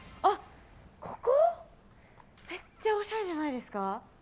めっちゃおしゃれじゃないですか。